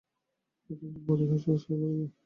কিছুদিন পর ইহা সহজ হইয়া পড়িবে।